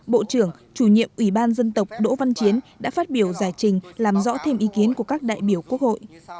bộ trưởng chủ nhiệm ủy ban dân tộc đỗ văn chiến đã phát biểu giải trình làm rõ thêm ý kiến của các đại biểu quốc hội